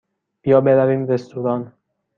بیا برویم رستوران.